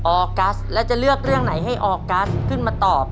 ออกัสแล้วจะเลือกเรื่องไหนให้ออกัสขึ้นมาตอบ